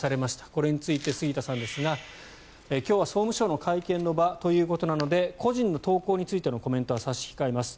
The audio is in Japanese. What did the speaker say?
これについて杉田さんですが今日は総務省の会見の場ということなので個人の投稿についてのコメントは差し控えます。